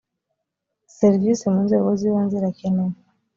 serivisi munzego zibanze irakenewe.